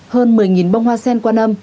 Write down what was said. hơn một mươi bông hoa sen qua năm